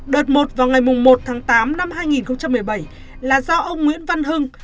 đợt một vào ngày một tháng tám năm hai nghìn một mươi bảy là do ông nguyễn văn hưng